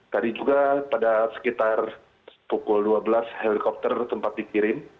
tadi juga pada sekitar pukul dua belas helikopter sempat dikirim